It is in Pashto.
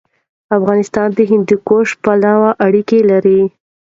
افغانستان د هندوکش پلوه اړیکې لري.